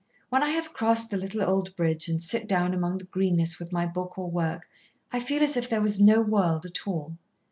When I have crossed the little old bridge and sit down among the greenness with my book or work, I feel as if there was no world at all.